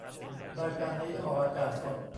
รายการนี้ออกอากาศสด